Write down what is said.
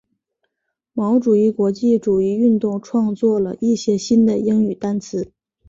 毛主义国际主义运动创作了一些新的英语单词。